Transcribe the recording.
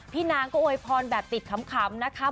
พี่นางโอไฮพรแบบติดขำ